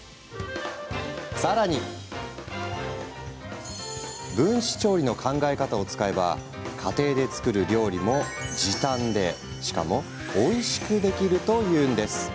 さらに分子調理の考え方を使えば家庭で作る料理も時短でしかもおいしくできるというんです。